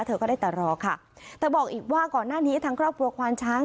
เธอก็ได้แต่รอค่ะเธอบอกอีกว่าก่อนหน้านี้ทางครอบครัวควานช้าง